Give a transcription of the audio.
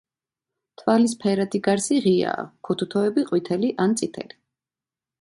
თვალის ფერადი გარსი ღიაა, ქუთუთოები ყვითელი ან წითელი.